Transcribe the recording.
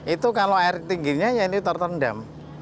itu kalau air tingginya ya ini tertendam